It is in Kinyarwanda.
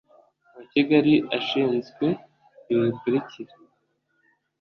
wa kigali ashinzwe ibi bikurikira